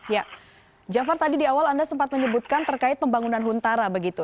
ya jafar tadi di awal anda sempat menyebutkan terkait pembangunan huntara begitu